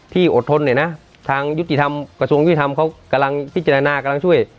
อดทนเนี่ยนะทางยุติธรรมกระทรวงยุติธรรมเขากำลังพิจารณากำลังช่วย